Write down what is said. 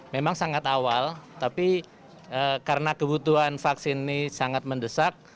memang sangat awal tapi karena kebutuhan vaksin ini sangat mendesak